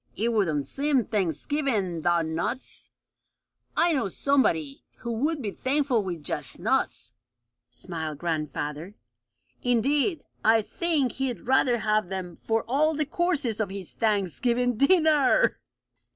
"It wouldn't seem Thanksgivingy 'thout nuts." "I know somebody who would be thankful with just nuts," smiled grandfather. "Indeed, I think he'd rather have them for all the courses of his Thanksgiving dinner!"